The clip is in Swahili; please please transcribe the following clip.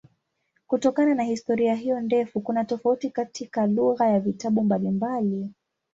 Kutokana na historia hiyo ndefu kuna tofauti katika lugha ya vitabu mbalimbali.